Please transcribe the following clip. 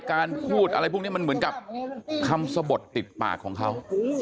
การพูดอะไรพวกนี้มันเหมือนกับคำสะบดติดปากของเขา